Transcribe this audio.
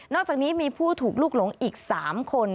อกจากนี้มีผู้ถูกลูกหลงอีก๓คน